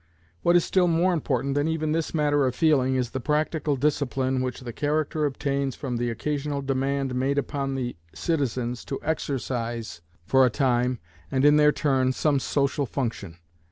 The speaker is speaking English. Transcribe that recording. What is still more important than even this matter of feeling is the practical discipline which the character obtains from the occasional demand made upon the citizens to exercise, for a time and in their turn, some social function.